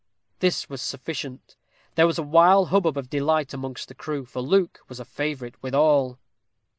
This was sufficient. There was a wild hubbub of delight amongst the crew, for Luke was a favorite with all.